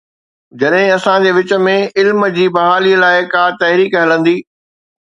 جڏهن اسان جي وچ ۾ علم جي بحاليءَ لاءِ ڪا تحريڪ هلندي.